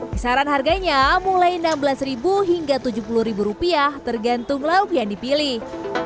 kisaran harganya mulai rp enam belas hingga rp tujuh puluh tergantung lauk yang dipilih